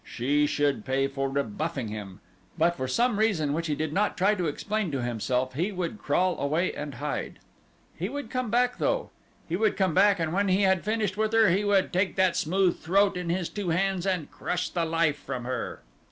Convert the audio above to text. She should pay for rebuffing him, but for some reason which he did not try to explain to himself he would crawl away and hide. He would come back though. He would come back and when he had finished with her, he would take that smooth throat in his two hands and crush the life from her.